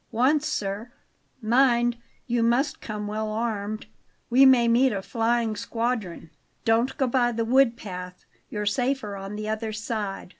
"Once, sir. Mind, you must come well armed; we may meet a flying squadron. Don't go by the wood path; you're safer on the other side.